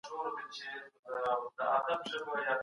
ګاونډی هیواد بهرنۍ پانګونه نه ردوي.